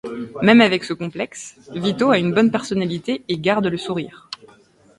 Même avec ce complexe, Vito a une bonne personnalité et garde le sourire.